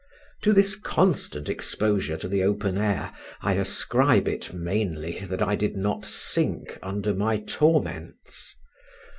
To this constant exposure to the open air I ascribe it mainly that I did not sink under my torments.